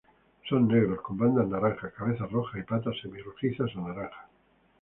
Son negros con bandas naranjas, cabeza roja y patas semi rojizas o naranjas.